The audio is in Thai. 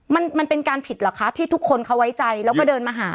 มันมันเป็นการผิดเหรอคะที่ทุกคนเขาไว้ใจแล้วก็เดินมาหา